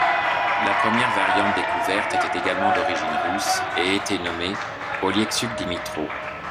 La première variante découverte était également d’origine russe et était nommée Oleksiuk Dmytro.